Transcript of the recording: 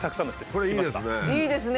これいいですね。